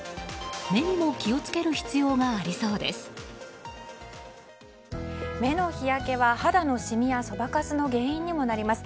目にも気を付ける必要がありそうです。